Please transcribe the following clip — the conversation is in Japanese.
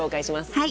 はい。